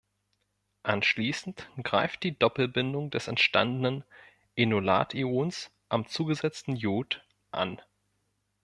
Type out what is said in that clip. Anschließend greift die Doppelbindung des entstandenen Enolat-Ions am zugesetzten Iod an.